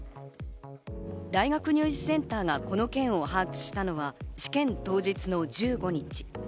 大学入試センターがこの件を把握したのは試験当日の１５日。